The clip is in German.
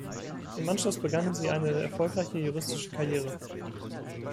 Im Anschluss begann sie eine erfolgreiche juristische Karriere.